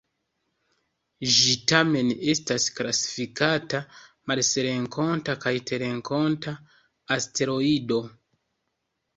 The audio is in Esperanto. Ĝi tamen estas klasifikata marsrenkonta kaj terrenkonta asteroido.